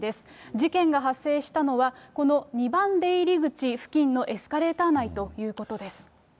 事件が発生したのは、この２番出入り口付近のエスカレーター内ということです。